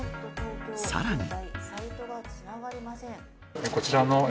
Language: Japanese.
さらに。